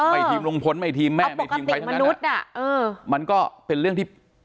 ไม่ทีมลุงพลไม่ทีมแม่ไม่ทีมใครทั้งกันอ่ามันก็เป็นเรื่องที่